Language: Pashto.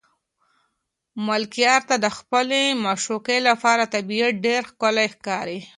ملکیار ته د خپلې معشوقې لپاره طبیعت ډېر ښکلی ښکاري.